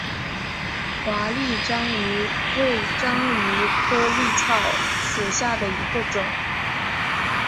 华丽章鱼为章鱼科丽蛸属下的一个种。